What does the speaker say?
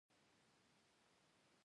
احمد او علي د خولې لانجه وکړه.